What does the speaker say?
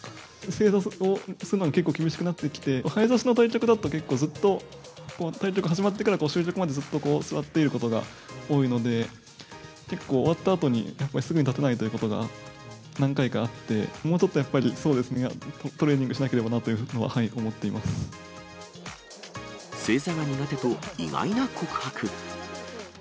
正座をするのが、結構厳しくなってきて、早指しの対局だと、ずっと、対局始まってから終局までずっと座っていることが多いので、結構、終わったあとにやっぱり、すぐに立てないということが何回かあって、もうちょっとやっぱり、そうですね、トレーニングしなけ正座が苦手と意外な告白。